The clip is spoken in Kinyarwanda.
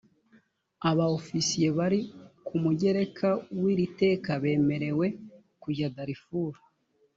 aba ofisiye bari ku mugereka w iri teka bemerewe kujya darifuru